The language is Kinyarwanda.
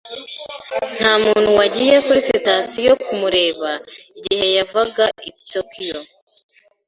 Ntamuntu wagiye kuri sitasiyo kumureba igihe yavaga i Tokiyo.